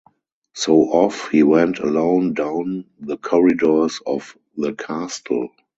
So off he went alone down the corridors of the castle.